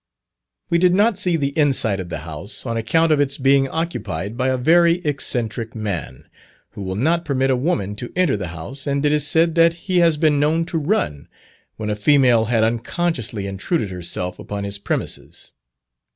We did not see the inside of the house, on account of its being occupied by a very eccentric man, who will not permit a woman to enter the house, and it is said that he has been known to run when a female had unconsciously intruded herself upon his premises.